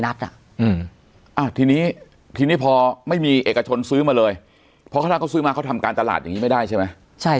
ทีนี้ทีนี้พอไม่มีเอกชนซื้อมาเลยเพราะขนาดเขาซื้อมาเขาทำการตลาดอย่างนี้ไม่ได้ใช่ไหมใช่